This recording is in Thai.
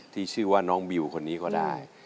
ที่ชื่อว่าน้องบิวคนนี้ก็ได้